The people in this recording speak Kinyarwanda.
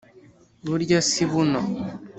Burya si buno.